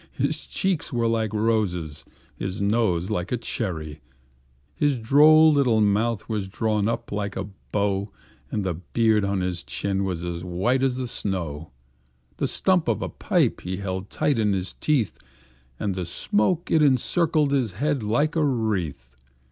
His cheeks were like roses, his nose like a cherry; His droll little mouth was drawn up like a bow, And the beard on his chin was as white as the snow; The stump of a pipe he held tight in his teeth, And the smoke, it encircled his head like a wreath.